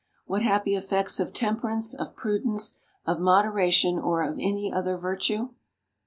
What happy effects of temperance, of prudence, of moderation, or of any other virtue?